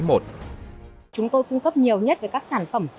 chúng tôi cung cấp nhiều nhất về các sản phẩm